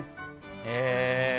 へえ。